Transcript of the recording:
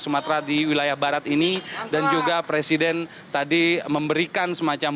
sumatera di wilayah barat ini dan juga presiden tadi memberikan semacam